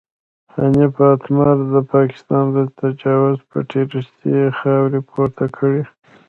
حنیف اتمر د پاکستان د تجاوز پټې ریښې خاورې پورته کړې.